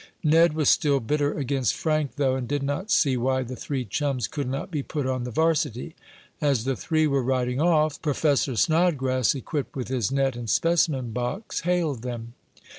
Ned was still bitter against Frank, though, and did not see why the three chums could not be put on the varsity. As the three were riding off, Professor Snodgrass, equipped with his net and specimen box, hailed them.